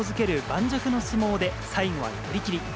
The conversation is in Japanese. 盤石の相撲で、最後は寄り切り。